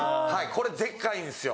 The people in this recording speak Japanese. これでっかいんですよ。